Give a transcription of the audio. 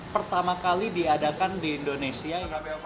pertama kali diadakan di indonesia